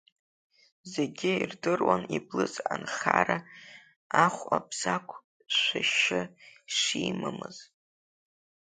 Зегьы ирдыруан иблыз анхара ахә Абзагә шәашьа шимамыз.